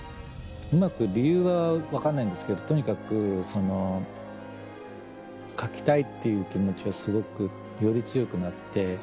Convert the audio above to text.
うまく理由は分かんないんですけどとにかくその書きたいっていう気持ちはすごくより強くなって。